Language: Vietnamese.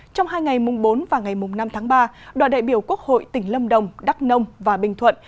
trong hai ngày mùng bốn và ngày mùng năm tháng ba đoàn đại biểu quốc hội tỉnh lâm đồng đắk nông và bình thuận